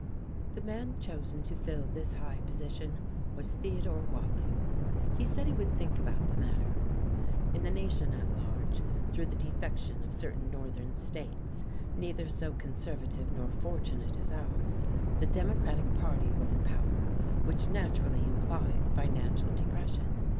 The man chosen to fill this high position was Theodore Watling. He said he would think about the matter. In the nation at large, through the defection of certain Northern states neither so conservative nor fortunate as ours, the Democratic party was in power, which naturally implies financial depression.